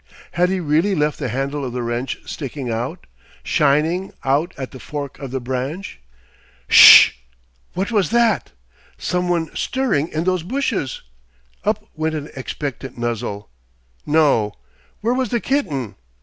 Had he really left the handle of the wrench sticking out, shining out at the fork of the branch? Ssh! What was that? Some one stirring in those bushes? Up went an expectant muzzle. No! Where was the kitten?